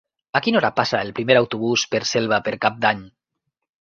A quina hora passa el primer autobús per Selva per Cap d'Any?